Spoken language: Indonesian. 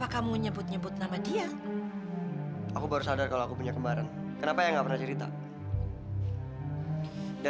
kamu tuh sama aja kayak terry